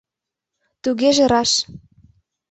Тугеже раш.